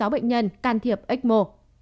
một mươi sáu bệnh nhân can thiệp ếch mổ